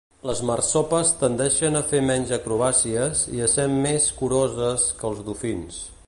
Les marsopes tendeixen a fer menys acrobàcies i a ser més curoses que els dofins.